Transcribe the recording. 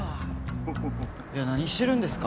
いや何してるんですか？